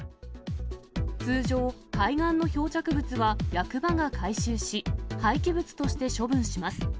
通常、海岸の漂着物は役場が回収し、廃棄物として処分します。